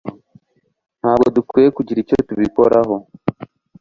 Ntabwo dukwiye kugira icyo tubikoraho